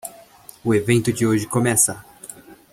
O evento de hoje começa!